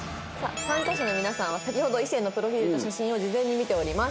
参加者の皆さんは先ほど異性のプロフィールと写真を事前に見ております。